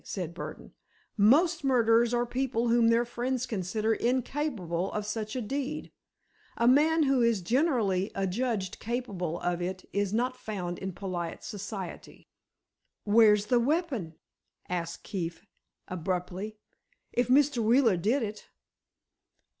said Burdon. "Most murderers are people whom their friends consider 'incapable of such a deed.' A man who is generally adjudged 'capable' of it is not found in polite society." "Where's the weapon," asked Keefe, abruptly, "if Mr. Wheeler did it?"